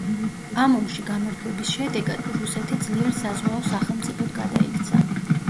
ამ ომში გამარჯვების შედეგად რუსეთი ძლიერ საზღვაო სახელმწიფოდ გადაიქცა.